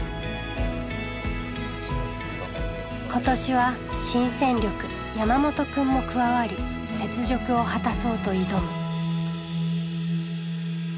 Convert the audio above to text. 今年は新戦力山本くんも加わり雪辱を果たそうと挑む。